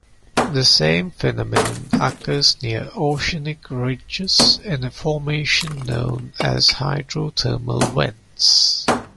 The same phenomenon occurs near oceanic ridges in a formation known as hydrothermal vents.